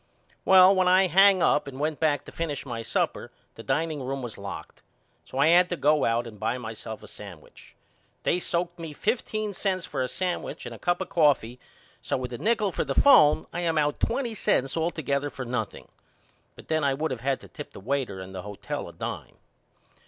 Well when I hang up and went back to finish my supper the dining room was locked. So I had to go out and buy myself a sandwich. They soaked me fifteen cents for a sandwich and a cup of coffee so with the nickel for the phone I am out twenty cents altogether for nothing. But then I would of had to tip the waiter in the hotel a dime.